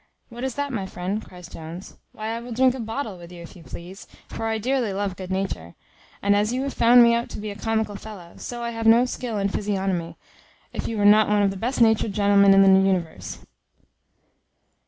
"What is that, my friend?" cries Jones. "Why, I will drink a bottle with you if you please; for I dearly love good nature; and as you have found me out to be a comical fellow, so I have no skill in physiognomy, if you are not one of the best natured gentlemen in the universe."